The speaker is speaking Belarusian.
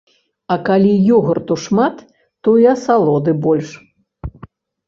А калі ёгурту шмат, то і асалоды больш.